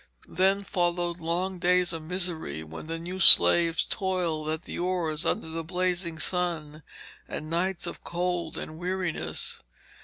Then followed long days of misery when the new slaves toiled at the oars under the blazing sun, and nights of cold and weariness.